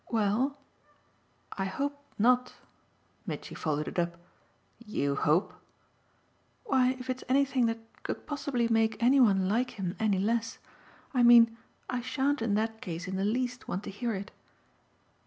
"Well I hope not." Mitchy followed it up. "You 'hope' ?" "Why if it's anything that could possibly make any one like him any less. I mean I shan't in that case in the least want to hear it."